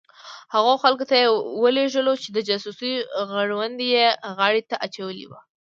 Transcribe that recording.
هغو خلکو ته یې ولېږو چې د جاسوسۍ غړوندی یې غاړې ته اچولي وو.